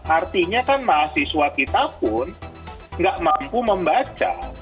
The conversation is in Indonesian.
artinya kan mahasiswa kita pun nggak mampu membaca